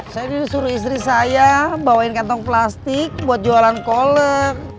saya disuruh istri saya bawain kantong plastik buat jualan kolek